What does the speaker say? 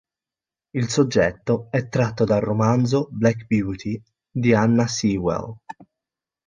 Il soggetto è tratto dal romanzo "Black Beauty" di Anna Sewell.